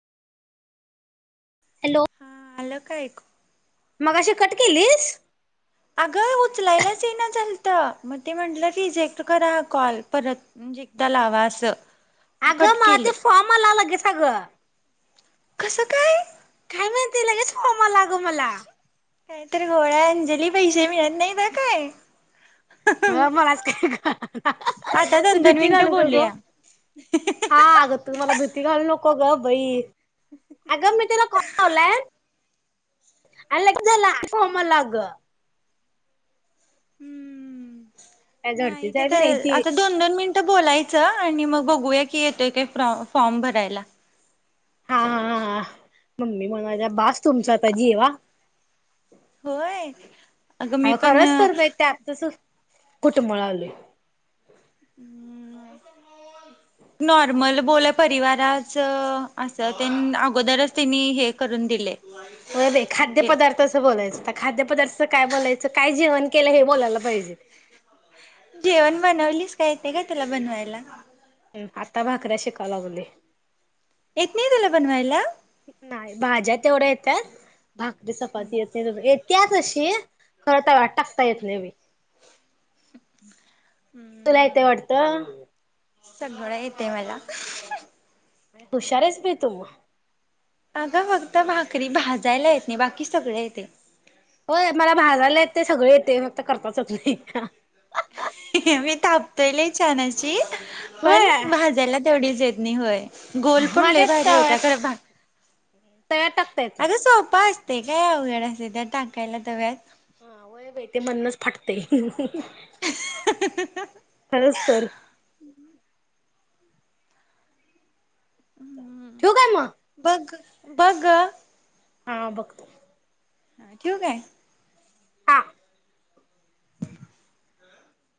Hello - - काय क मगाशी कट केलीस? आगं उचलायलाच इना झालता, मग ती म्हणल रिजेक्ट करा कॉल म्हणजे परत एकदा लावा अस. आगं मला ते फॉर्म आला लगेच आगं कस काय! काय माहिती? लगेच फोम आला आगं मला. काय तरी घोळय अंजली पैसे मिळत नाही बरं काय. मलाच काय कळेना, हं हा.. आता हा.. तु दोन दोन भिती मिनिटं घालवू नको. बोलूया हा अगं.. तू मला भिती घालवू नको. को ग बाई! आगं मी तुला कॉल लावलाय. आणि लगेच झाला कोमल आगं. काय हंमम नाही झडतीच ते आहे की ग नाही ती आता दोन दोन मिनट बोलायचं आणि मग. बघूया की येतोय काय? फ्रॉ फॉर्म भरायला. [inaudible] बास तुमचं आता जेवा. होय.. अगं मी पण? कुठं मळावलय? [unintelligible] होय बाई खाद्य म्हणजे पदार्थाचं बोलायचं आता खाद्यपदार्थाच काय बोलायचं काय जेवण केलं हे बोलायला पाहिजे. जेवण बनवलीस काय? येतय का तुला बनवायला? [unintelligible] येत नाही तुला बनवायला? काय? भाकरी चपाती येत नाहीतशी. येत्या तशी [unintelligible] टाकता येत नाही बाई तुला हम्म येतय वाटतं? सगळं येतय मला. हुशार हायस बाई तु मग. आगं फक्त भाकरी भाजायला येत नाही. बाकी सगळं येतय. ओय मला भाजायला येतय सगळं येतय फक्त करताच येत नाही ही हा [unintelligible] मी थापतोय लई छान! अशी [unintelligible] होय तेवढीच येत नाही होय गोल पण मला लय ते भारी होताय तव्यात खरं भात [inaudible] येत नाही. अरे सोपं अस ते काय उवघड असते त्यात टाकायला तव्यात व्हयं पेटी मधनंच फाटतय खरंच तर ठीऊ काय मग बस ग आ बघतो हा ठिऊ काय? हा.